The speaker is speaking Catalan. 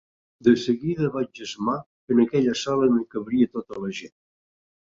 De seguida vaig esmar que en aquella sala no hi cabria tota la gent.